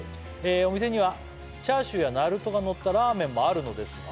「お店にはチャーシューやナルトがのったラーメンもあるのですが」